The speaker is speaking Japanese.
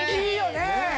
いいよね！